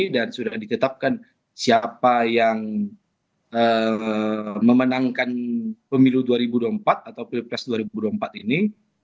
dan sudah ditetapkan siapa yang memenangkan pemilu dua ribu dua puluh empat atau pilpres dua ribu dua puluh empat ini